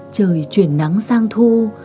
trời chuyển nắng sang thu